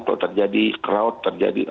kalau terjadi crowd terjadi